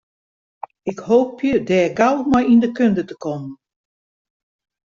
Ik hoopje dêr gau mei yn de kunde te kommen.